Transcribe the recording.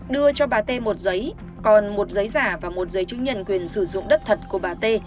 đưa cho bà t một giấy còn một giấy giả và một giấy chứng nhận quyền sử dụng đất thật của bà t